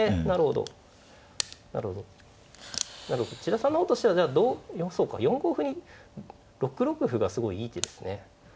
なるほど千田さんの方としてはそうか４五歩に６六歩がすごいいい手ですね。